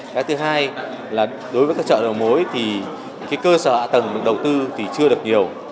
cái thứ hai là đối với các chợ đầu mối thì cái cơ sở hạ tầng đầu tư thì chưa được nhiều